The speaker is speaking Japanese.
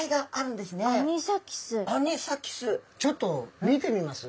ちょっと見てみます？